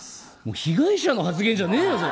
被害者の発言じゃねえぞ、それ。